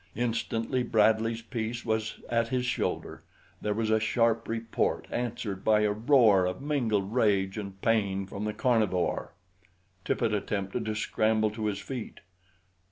Instantly Bradley's piece was at his shoulder, there was a sharp report answered by a roar of mingled rage and pain from the carnivore. Tippet attempted to scramble to his feet.